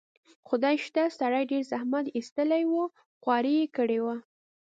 خدای شته، سړي ډېر زحمت ایستلی و، خواري یې کړې وه.